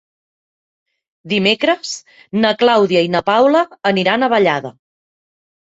Dimecres na Clàudia i na Paula aniran a Vallada.